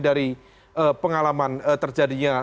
dari pengalaman terjadinya